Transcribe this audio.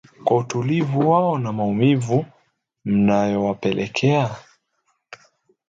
kwa utulivu wao na maumivu mnayowapelekea?